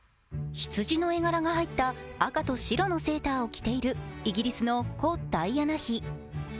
羊の絵柄が入った赤と白のセーターを着ているイギリスの故・ダイアナ妃。